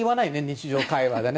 日常会話で。